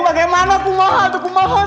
bagaimana kumaha tuh kumaha